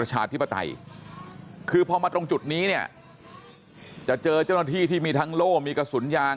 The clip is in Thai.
จะเจอเจ้าหน้าที่ที่มีทั้งโล่มมีกระสุนยาง